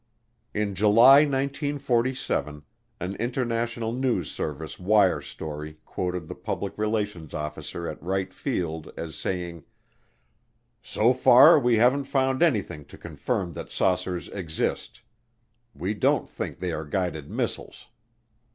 In July 1947 an International News Service wire story quoted the public relations officer at Wright Field as saying, "So far we haven't found anything to confirm that saucers exist. We don't think they are guided missiles."